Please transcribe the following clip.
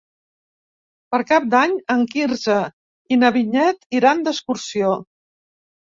Per Cap d'Any en Quirze i na Vinyet iran d'excursió.